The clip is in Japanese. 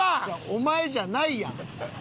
お前じゃないやん。